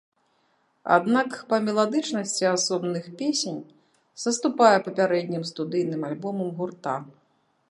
Аднак, па меладычнасці асобных песень саступае папярэднім студыйным альбомам гурта.